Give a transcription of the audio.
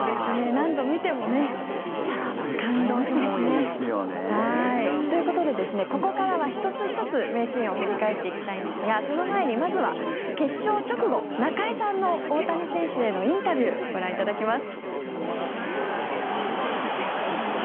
何回見てもいいですよね。ということでここからは１つ１つ名シーンを振り返っていきたいんですがその前にまずは決勝直後中居さんの大谷選手へのインタビューご覧いただきます。